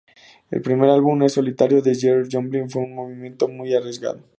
El primer álbum en solitario de Janis Joplin fue un movimiento muy arriesgado.